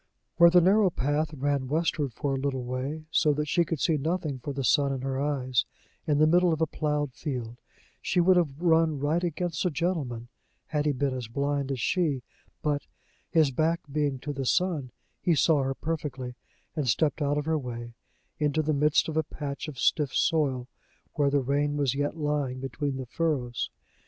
Where the narrow path ran westward for a little way, so that she could see nothing for the sun in her eyes, in the middle of a plowed field she would have run right against a gentleman, had he been as blind as she; but, his back being to the sun, he saw her perfectly, and stepped out of her way into the midst of a patch of stiff soil, where the rain was yet lying between the furrows.